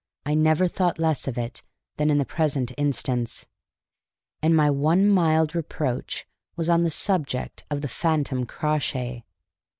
I never thought less of it than in the present instance; and my one mild reproach was on the subject of the phantom Crawshay.